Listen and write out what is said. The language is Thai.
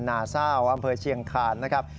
นาซ่าอำเภอเชียงคานนะครับ